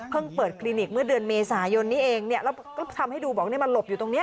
เปิดคลินิกเมื่อเดือนเมษายนนี้เองเนี่ยแล้วก็ทำให้ดูบอกนี่มันหลบอยู่ตรงนี้